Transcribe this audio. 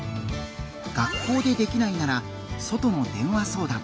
学校でできないなら外の電話相談。